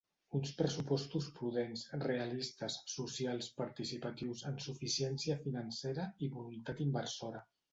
Uns pressupostos prudents, realistes, socials, participatius, amb suficiència financera i voluntat inversora.